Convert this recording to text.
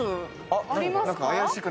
あっ！